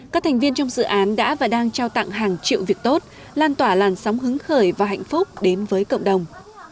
các thành viên trong dự án đã và đang trao tặng hàng triệu việc tốt lan tỏa làn sóng hứng khởi và hạnh phúc đến với cộng đồng